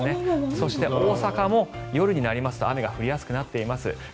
そして大阪も夜になりますと雨が降りやすくなっています。